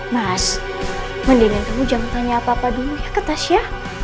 mas mendingan kamu jangan tanya apa apa dulu ya ke tasya